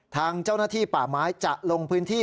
ทางเจ้าหน้าที่ป่าไม้จะลงพื้นที่